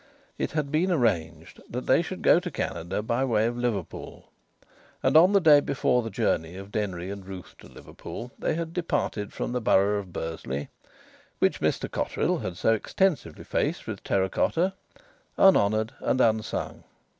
It had been arranged that they should go to Canada by way of Liverpool, and on the day before the journey of Denry and Ruth to Liverpool they had departed from the borough of Bursley (which Mr Cotterill had so extensively faced with terra cotta) unhonoured and unsung.